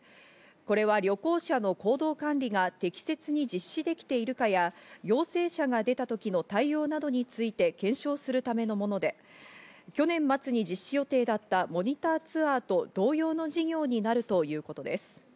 これは旅行者の行動管理が適切に実施できているかや、陽性者が出た時の対応などについて検証するためのもので、去年末に実施予定だったモニターツアーと同様の事業になるということです。